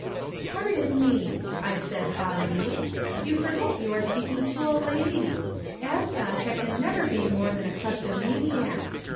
"'Pardon me,' I said haughtily. 'You forget you are speaking to a lady. As such, I can never be more than a kleptomaniac.